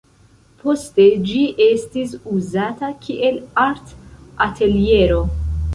Poste ĝi estis uzata kiel art-ateliero.